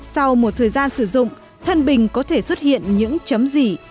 sau một thời gian sử dụng thân bình có thể xuất hiện những chấm gì